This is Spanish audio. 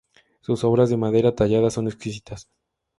Sus obras de madera tallada son exquisitas.